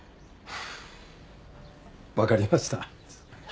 わかりました。